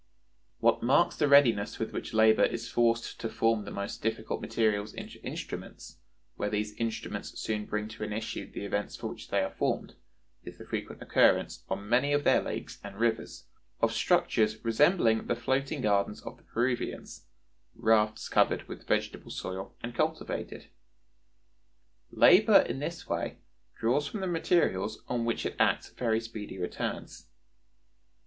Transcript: "What marks the readiness with which labor is forced to form the most difficult materials into instruments, where these instruments soon bring to an issue the events for which they are formed, is the frequent occurrence, on many of their lakes and rivers, of structures resembling the floating gardens of the Peruvians, rafts covered with vegetable soil and cultivated. Labor in this way draws from the materials on which it acts very speedy returns.